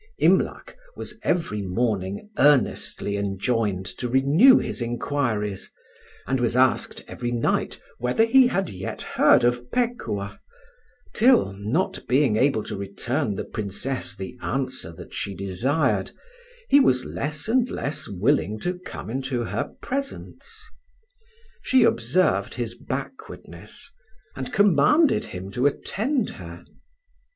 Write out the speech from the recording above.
Imlac was every morning earnestly enjoined to renew his inquiries, and was asked every night whether he had yet heard of Pekuah; till, not being able to return the Princess the answer that she desired, he was less and less willing to come into her presence. She observed his backwardness, and commanded him to attend her.